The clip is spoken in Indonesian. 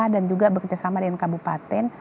dan juga bekerjasama dengan kabupaten